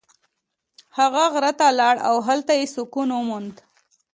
هغه غره ته لاړ او هلته یې سکون وموند.